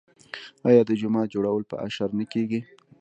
آیا د جومات جوړول په اشر نه کیږي؟